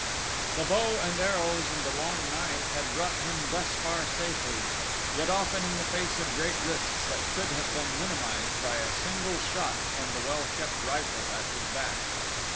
The bow and the arrows and the long knife had brought him thus far safely, yet often in the face of great risks that could have been minimized by a single shot from the well kept rifle at his back.